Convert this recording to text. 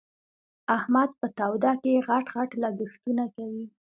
احمد په توده کې؛ غټ غټ لګښتونه کوي.